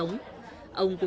ông cùng nhiều người thân